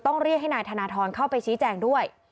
เรียกให้นายธนทรเข้าไปชี้แจงด้วย